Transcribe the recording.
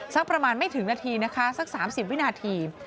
สักประมาณไม่ถึงนาทีนะคะสัก๓๐วินาที